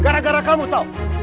gara gara kamu tau